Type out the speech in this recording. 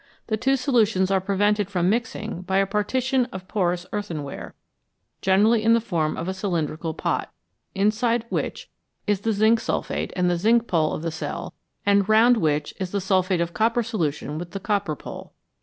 The two solu tions are prevented from mixing by a partition of porous earthenware, gene rally in the form of a cylindrical pot, inside which is the zinc sulphate and the zinc pole of the cell, and round which is the sulphate of copper solution with the copper pole.